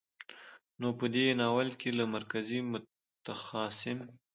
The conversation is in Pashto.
نو په دې ناول کې له مرکزي، متخاصم،